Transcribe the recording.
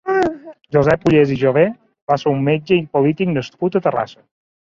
Josep Ullés i Jover va ser un metge i polític nascut a Terrassa.